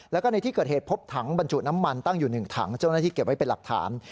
แล้วก็ในที่เกิดเหตุพบถังบรรจุน้ำมันตั้งอยู่๑ถังเจ้าหน้าที่เก็บไว้เป็นหลักฐาน